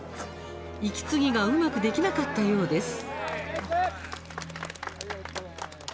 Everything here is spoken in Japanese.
息継ぎがうまくできなかったようです。